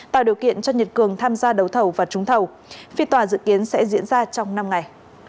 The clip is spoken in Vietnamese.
tạo điều kiện cho nhật cường tham gia đấu thầu và trúng thầu phiên tòa dự kiến sẽ diễn ra trong năm ngày